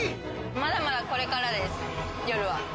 まだまだ、これからです、夜は。